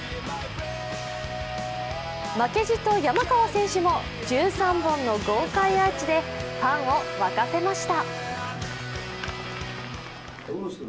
負けじと山川選手も１３本の豪快アーチでファンを沸かせました。